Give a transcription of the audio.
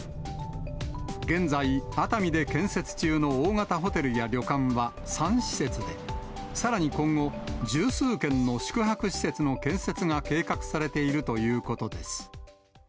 現在、熱海で建設中の大型ホテルや旅館は３施設で、さらに今後、十数件の宿泊施設の建設が計画されているということです。